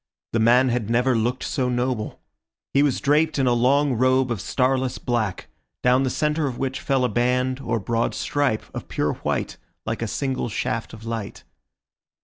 The man had never looked so noble. He was draped in a long robe of starless black, down the centre of which fell a band or broad stripe of pure white, like a single shaft of light.